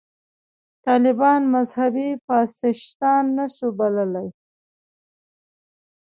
طالبان مذهبي فاشیستان هم نه شو بللای.